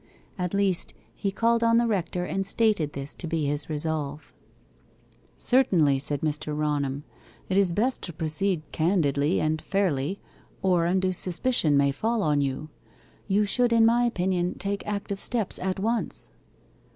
At least, he called on the rector, and stated this to be his resolve. 'Certainly,' said Mr. Raunham, 'it is best to proceed candidly and fairly, or undue suspicion may fall on you. You should, in my opinion, take active steps at once.